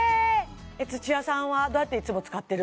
土屋さんはどうやっていつも使ってる？